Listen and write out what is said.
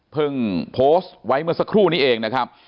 โพสต์ไว้เมื่อสักครู่นี้เองนะครับ